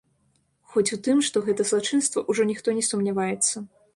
Хоць у тым, што гэта злачынства, ужо ніхто не сумняваецца.